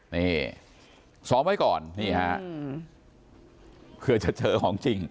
นี่ซ้อมไว้ก่อนนี่ฮะเผื่อจะเจอของจริง